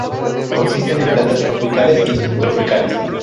Consisten en plantas tropicales y subtropicales.